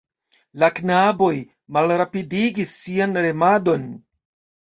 La knaboj malrapidigis sian remadon.